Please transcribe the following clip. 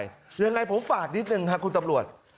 ยังไงผมฝากนิดนึงครับคุณตำรวจ